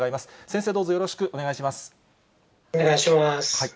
先生、どうぞよろしくお願いしまお願いします。